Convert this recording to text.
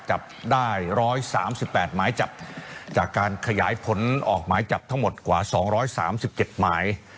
จับได้๑๓๘หมายจับจากการขยายผลออกหมายจับทั้งหมดกว่า๒๓๗หมาย